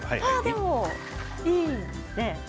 でもいいですね。